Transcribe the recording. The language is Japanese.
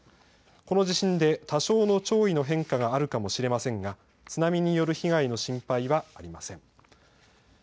この地震で多少の潮位の変化があるかもしれませんが津波による被害の心配はありません。